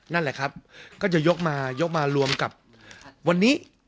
นั่นแหละครับก็จะยกมายกมารวมกับวันนี้